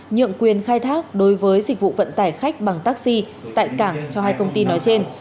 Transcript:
nhượng quyền khai thác đối với dịch vụ vận tải khách bằng taxi tại cảng cho hai công ty nói trên